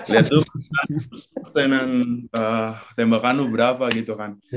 lihat tuh pertanyaan tembak kanu berapa gitu kan